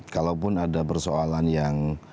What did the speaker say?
kalaupun ada persoalan yang